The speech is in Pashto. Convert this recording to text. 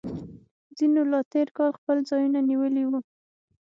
ځینو لا تیر کال خپل ځایونه نیولي وي